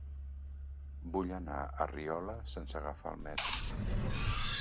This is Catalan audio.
Vull anar a Riola sense agafar el metro.